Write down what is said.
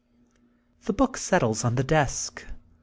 The book settles on the desk.